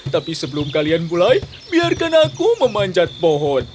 tapi sebelum kalian mulai biarkan aku memanjat pohon